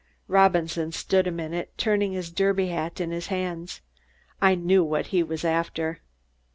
Robinson stood a minute, turning his derby hat in his hands. I knew what he was after.